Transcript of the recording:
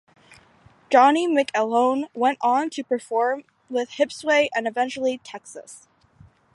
Johnny McElhone went on to perform with Hipsway and eventually Texas.